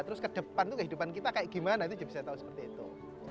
terus ke depan tuh kehidupan kita kayak gimana itu bisa tahu seperti itu